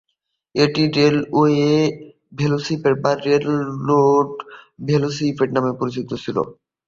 এটি "railway velocipede" বা "railroad ভেলোসিপেড" নামে পরিচিত ছিল।